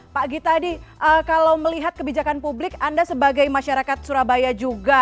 pak gita di kalau melihat kebijakan publik anda sebagai masyarakat surabaya juga